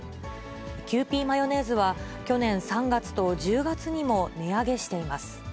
キユーピーマヨネーズは去年３月と１０月にも値上げしています。